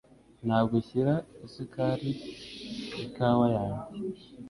Ntabwo nshyira isukari mu ikawa yanjye.